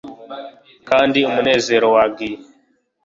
Kandi umunezero wagiye